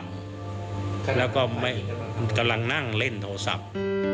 แล้วก็กำลังนั่งเล่นโทรศัพท์